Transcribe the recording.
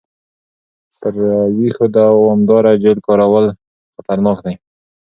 پر وېښتو دوامداره جیل کارول خطرناک دي.